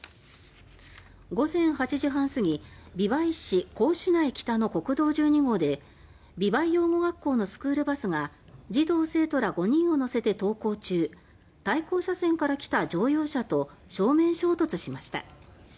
午前８時半すぎ美唄市光珠内北の国道１２号で美唄養護学校のスクールバスが児童生徒ら５人を乗せて登校中対向車線から来た乗用車と正面衝突しました。